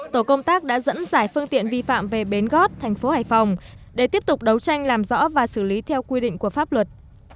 tổ công tác đã dẫn giải phương tiện vi phạm về bến gót thành phố hải phòng để tiếp tục đấu tranh làm rõ và xử lý theo quy định của pháp luật